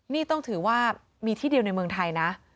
นี่ต้องถือว่ามีที่เดียวในเมืองไทยนะ